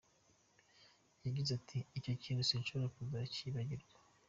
Yagize ati “Icyo kintu sinshobora kuzacyibagirwa.